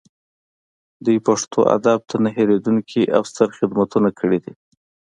دوی پښتو ادب ته نه هیریدونکي او ستر خدمتونه کړي دي